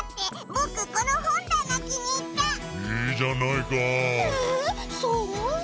えそう？